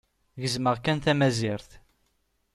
Gezzmeɣ kan tamazirt.